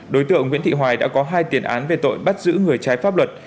đối tượng nguyễn thị hoài đã có hai tiền án về tội bắt giữ người trái pháp luật